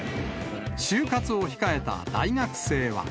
就活を控えた大学生は。